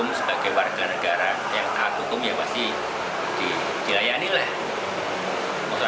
maksudnya ada bukatan hukum yang dilayani kan gak bisa